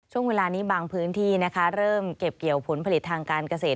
ช่วงเวลานี้บางพื้นที่นะคะเริ่มเก็บเกี่ยวผลผลิตทางการเกษตร